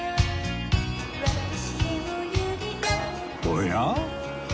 おや？